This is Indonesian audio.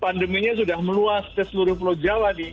pandemi ini sudah meluas ke seluruh pulau jawa nih